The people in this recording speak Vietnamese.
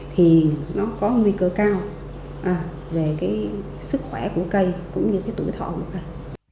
thì nó có nguy cơ cao về cái sức khỏe của cây cũng như cái tuổi thọ của cây